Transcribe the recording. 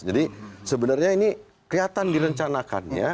jadi sebenarnya ini kelihatan direncanakannya